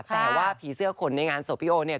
แต่ว่าผีเสื้อขนในงานศพพี่โอเนี่ย